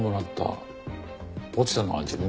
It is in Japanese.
落ちたのは自分から？